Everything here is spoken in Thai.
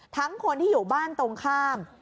คนที่อยู่บ้านตรงข้าม